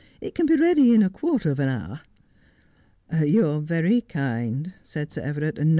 ' It can be ready in a quarter of an hour.' ' You are very kind,' said Sir Everard.